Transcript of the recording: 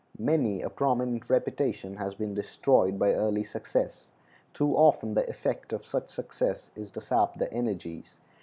Many a prominent reputation has been destroyed by early success. Too often the effect of such success is to sap the energies.